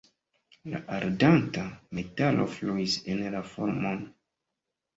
La ardanta metalo fluis en la formon.